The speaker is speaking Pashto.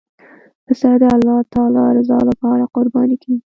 پسه د الله تعالی رضا لپاره قرباني کېږي.